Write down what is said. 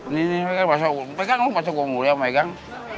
nih nih nih mereka pasang mereka pasang gue mulia pegang